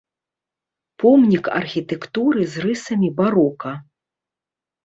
Помнік архітэктуры з рысамі барока.